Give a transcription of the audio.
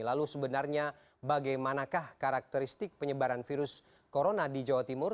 lalu sebenarnya bagaimanakah karakteristik penyebaran virus corona di jawa timur